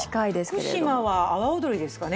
徳島は阿波踊りですかね。